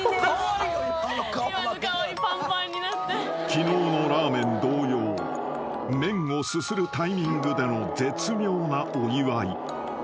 ［昨日のラーメン同様麺をすするタイミングでの絶妙なお祝い］